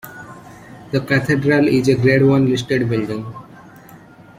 The cathedral is a Grade One listed building.